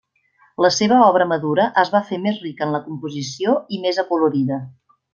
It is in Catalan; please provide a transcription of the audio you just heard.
La seva obra madura es va fer més rica en la composició i més acolorida.